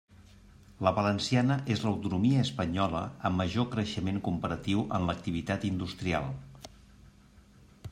La valenciana és l'autonomia espanyola amb major creixement comparatiu en l'activitat industrial.